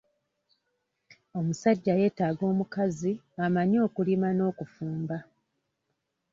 Omusajja yeetaaga omukazi amanyi okulima n'okufumba.